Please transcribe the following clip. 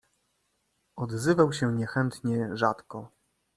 "Odzywał się niechętnie, rzadko."